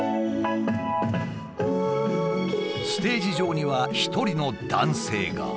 ステージ上には一人の男性が。